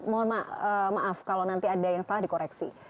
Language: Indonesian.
mohon maaf kalau nanti ada yang salah dikoreksi